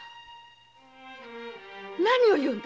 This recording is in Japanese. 何を言うんだ